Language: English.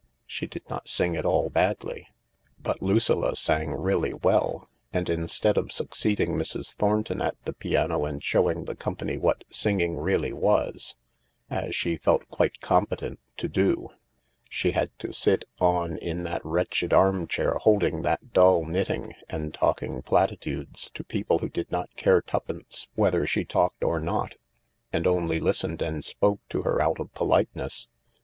She did not sing at all badly, but Lucilla sang really well. And instead of succeeding Mrs. Thornton at the piano and showing the company what singing really was, as she felt quite competent to do, she had to sit on in that wretched armchair, holding that dull knitting, and talking platitudes to people who did not care twopence whether she talked or 246 THE LARK not, and only listened and spoke to her out of politeness.